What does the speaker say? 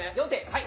はい。